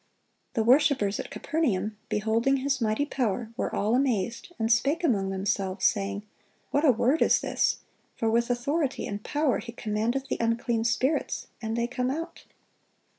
The worshipers at Capernaum, beholding His mighty power, "were all amazed, and spake among themselves, saying, 'What a word is this! for with authority and power He commandeth the unclean spirits, and they come out.